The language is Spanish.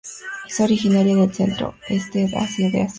Es originaria del centro-este de Asia.